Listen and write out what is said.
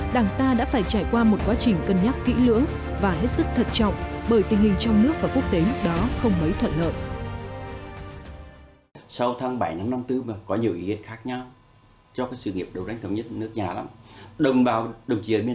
đảng ta đã phải trải qua một quá trình cân nhắc kỹ lưỡng và hết sức thật trọng bởi tình hình trong nước và quốc tế đó không mấy thuận lợi